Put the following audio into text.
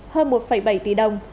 hơn một bảy tỷ đồng